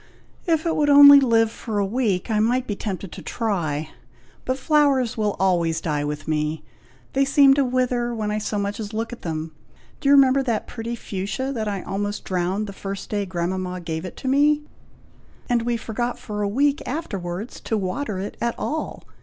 "If it would only live for a week, I might be tempted to try; but flowers will always die with me. They seem to wither when I so much as look at them. Do you remember that pretty fuchsia that I almost drowned the first day grandmama gave it me; and we forgot for a week afterwards to water it at all.